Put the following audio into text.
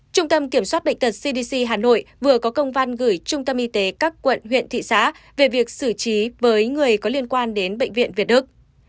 trung tâm kiểm soát bệnh tật cdc hà nội vừa có công văn gửi trung tâm y tế các quận huyện thị xã về việc xử trí với người có liên quan đến bệnh viện việt đức